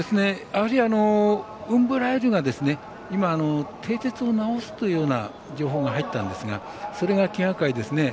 ウンブライルがてい鉄を直すというような情報が入ったんですがそれが気がかりですね。